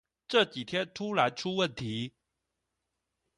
這幾天突然出問題